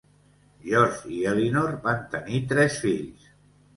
George i Eleanor van tenir tres fills.